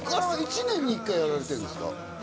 １年に１回やられてるんですか？